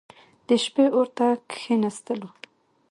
د شپې اور ته کښېنستلو.